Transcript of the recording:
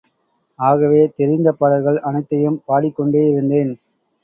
ஆகவே தெரிந்த பாடல்கள் அனைத்தையும் பாடிக்கொண்டேயிருந்தேன்.